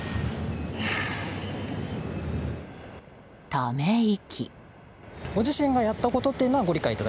ため息。